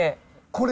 これ？